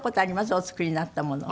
お作りになったもの。